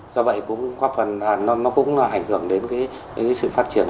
do vậy cũng có phần ảnh hưởng đến sự phát triển